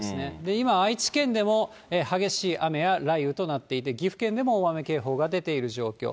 今、愛知県でも激しい雨や雷雨となっていて、岐阜県でも大雨警報が出ている状況。